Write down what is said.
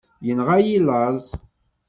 Yenɣa-yi laẓ.